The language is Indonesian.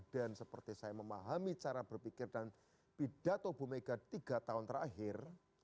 seperti saya memahami cara berpikir dan pidato bu mega tiga tahun terakhir